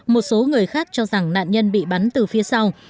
một số người khác cho rằng nạn nhân bị bắn từ phía sau